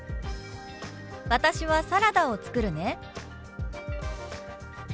「私はサラダを作るね」。